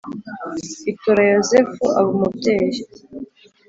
Itora Yozefu aba umubyeyi.